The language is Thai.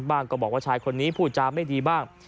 ก็บอกว่าชายคนนี้พูดจาไม่ดีบ้าง